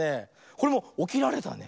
これもおきられたね。